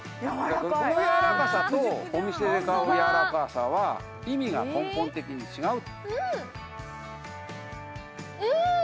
このやわらかさとお店で買うやわらかさは意味が根本的に違う。